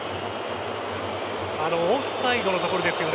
オフサイドのところですよね。